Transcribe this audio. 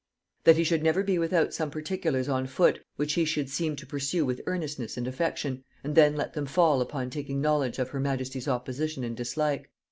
That he should never be without some particulars on foot which he should seem to pursue with earnestness and affection, and then let them fall upon taking knowledge of her majesty's opposition and dislike.